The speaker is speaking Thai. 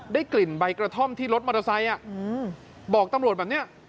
ได้กลิ่นใบกระท่อมที่รถมอเตอร์ไซค์บอกตำรวจแบบนี้